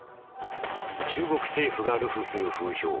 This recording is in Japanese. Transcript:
中国政府が流布する風評。